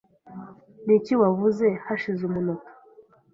Niki wavuze hashize umunota?